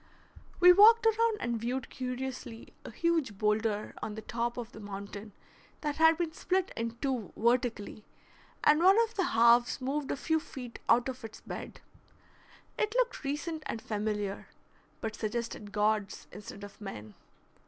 We walked around and viewed curiously a huge boulder on the top of the mountain that had been split in two vertically, and one of the halves moved a few feet out of its bed. It looked recent and familiar, but suggested gods instead of men.